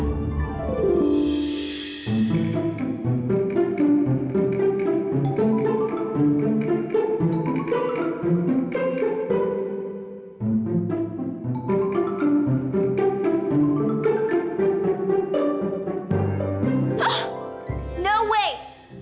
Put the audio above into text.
hah tidak mungkin